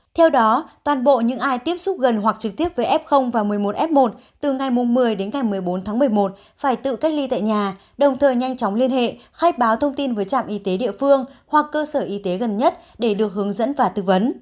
theo đó toàn bộ những ai tiếp xúc gần hoặc trực tiếp với f và một mươi một f một từ ngày một mươi đến ngày một mươi bốn tháng một mươi một phải tự cách ly tại nhà đồng thời nhanh chóng liên hệ khai báo thông tin với trạm y tế địa phương hoặc cơ sở y tế gần nhất để được hướng dẫn và tư vấn